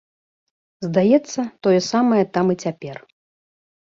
Здаецца, тое самае там і цяпер.